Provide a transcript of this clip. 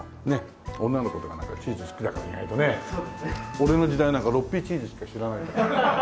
俺の時代なんか６Ｐチーズしか知らないから。